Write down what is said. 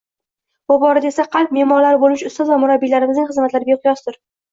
Bu borada esa qalb me'morlari bo‘lmish ustoz va murabbiylarimizning hizmatlari beqiyosdir